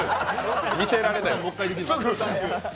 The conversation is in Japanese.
見てられないです。